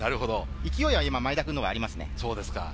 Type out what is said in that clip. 勢いは前田くんの方がありますね。